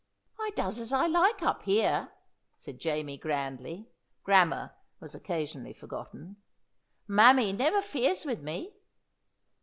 "I does as I like up here," said Jamie grandly (grammar was occasionally forgotten). "Mammy never 'feres with me."